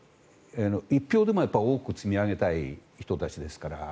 １票でも多く積み上げたい人たちですから。